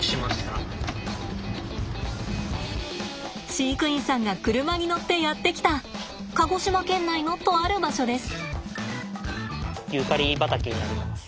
飼育員さんが車に乗ってやって来た鹿児島県内のとある場所です。